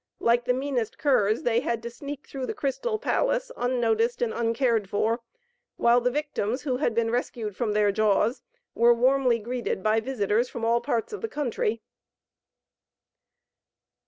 Like the meanest curs, they had to sneak through the Crystal Palace, unnoticed and uncared for; while the victims who had been rescued from their jaws, were warmly greeted by visitors from all parts of the country.